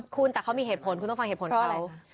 คุณแต่เขามีเหตุผลคุณต้องฟังเหตุผลอะไร